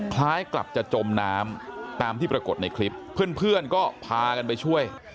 คล้ายกลับจะจมน้ำตามที่ปรากฏในคลิปเพื่อนก็พากันไปช่วย